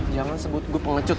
jangan sebut gue pengecut